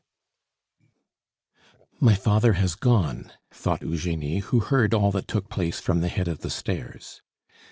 VIII "My father has gone," thought Eugenie, who heard all that took place from the head of the stairs.